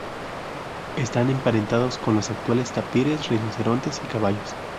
Están emparentados con los actuales tapires, rinocerontes y caballos.